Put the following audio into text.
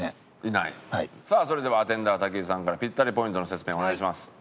さあそれではアテンダー武井さんからピッタリポイントの説明お願いします。